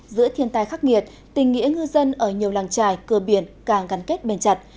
giữa thiên tai khắc nghiệt tình nghĩa ngư dân ở nhiều làng trài cơ biển càng gắn kết bền chặt